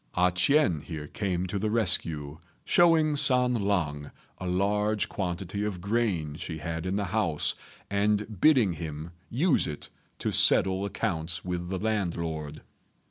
A ch'ien here came to the rescue, showing San lang a large quantity of grain she had in the house, and bidding him use it to settle accounts with the landlord.